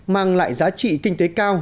mang lại giá trị kinh tế cao